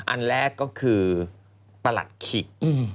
อันแรกก็คือประหลัดขิก